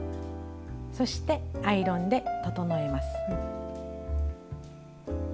そしてアイロンで整えます。